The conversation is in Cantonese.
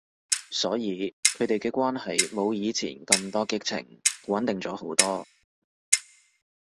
所以佢哋嘅關係冇以前咁多激情，穩定咗好多